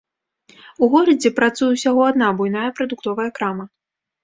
У горадзе працуе ўсяго адна буйная прадуктовая крама.